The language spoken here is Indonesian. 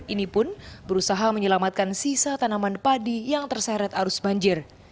ini pun berusaha menyelamatkan sisa tanaman padi yang terseret arus banjir